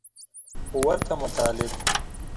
ورته مطالب